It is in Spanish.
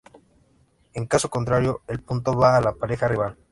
En caso contrario, el punto va a la pareja rival.